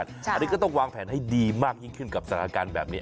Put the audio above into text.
อันนี้ก็ต้องวางแผนให้ดีมากยิ่งขึ้นกับสถานการณ์แบบนี้